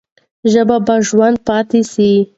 ژبه به ژوندۍ پاتې سي.